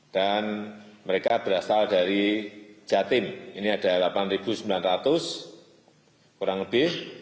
dan mereka berasal dari jatim ini ada delapan sembilan ratus kurang lebih